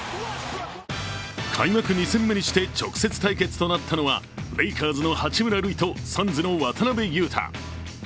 開幕２戦目にして、直接対決となったのはレイカーズの八村塁とサンズの渡邊雄太。